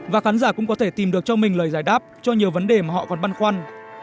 và khán giả cũng có thể tìm được cho mình lời giải đáp cho nhiều vấn đề mà họ còn băn khoăn